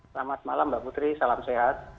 selamat malam mbak putri salam sehat